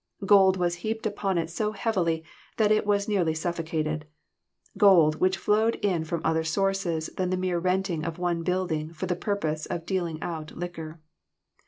Gold was heaped upon it so heavily that it was nearly suffocated ; gold which flowed in from other sources than the mere renting of one building for the purpose of dealing out liquor.